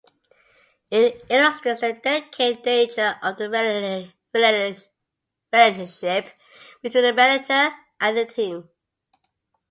It illustrates the delicate nature of the relationship between a manager and their team.